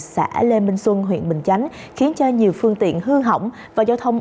xã lê minh xuân huyện bình chánh khiến cho nhiều phương tiện hư hỏng và giao thông